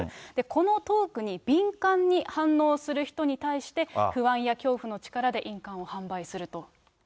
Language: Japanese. このトークに敏感に反応する人に対して、不安や恐怖の力で印鑑を販売すると。